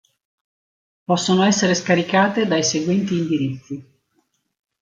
Possono essere scaricate dai seguenti indirizzi.